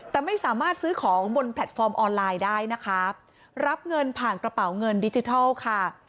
แต่ไม่สามารถซื้อของบนแพลตฟอร์มออนไลน์ได้นะคะรับเงินผ่านกระเป๋าเงินดิจิทัลค่ะ